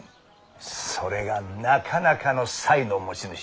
それがなかなかの才の持ち主。